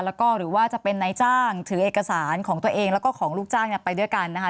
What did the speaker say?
แล้วก็หรือว่าจะเป็นนายจ้างถือเอกสารของตัวเองแล้วก็ของลูกจ้างไปด้วยกันนะคะ